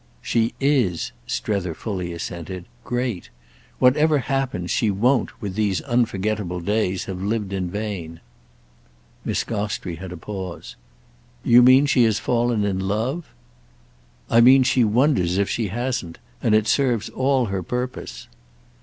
"She is" Strether fully assented: "great! Whatever happens, she won't, with these unforgettable days, have lived in vain." Miss Gostrey had a pause. "You mean she has fallen in love?" "I mean she wonders if she hasn't—and it serves all her purpose."